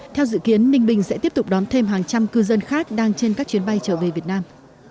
theo dự kiến ninh bình sẽ tiếp tục đón thêm hàng trăm cư dân khác đang trên các chuyến bay trở về việt nam